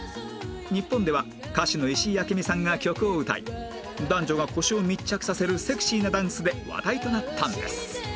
日本では歌手の石井明美さんが曲を歌い男女が腰を密着させるセクシーなダンスで話題となったんです